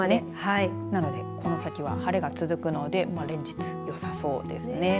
なので、この先は晴れが続くので連日、よさそうですね。